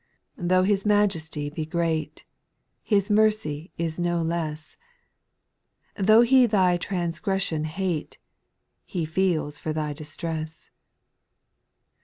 4. Though His majesty be great, His mercy is no less, Though He thy transgression hate, He feels for thy distress.